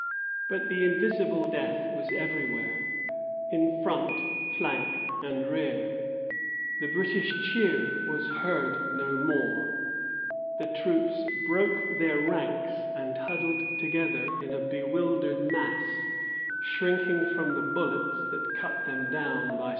But the invisible death was everywhere, in front, flank, and rear. The British cheer was heard no more. The troops broke their ranks and huddled together in a bewildered mass, shrinking from the bullets that cut them down by scores.